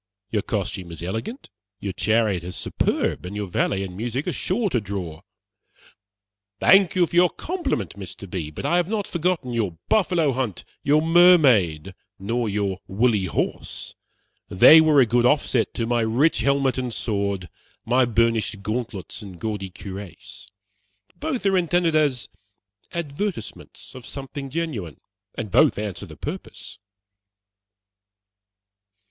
Your costume is elegant, your chariot is superb, and your valet and music are sure to draw." "Thank you for your compliment, Mr. B., but I have not forgotten your Buffalo hunt, your Mermaid, nor your Woolly Horse. They were a good offset to my rich helmet and sword, my burnished gauntlets and gaudy cuirass. Both are intended as advertisements of something genuine, and both answer the purpose."